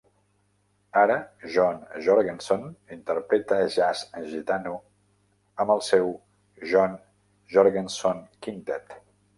Ara John Jorgenson interpreta jazz gitano amb el seu John Jorgenson Quintet.